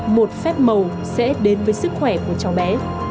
một phép màu sẽ đến với sức khỏe của cháu bé